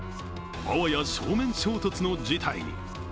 あわや正面衝突の事態に。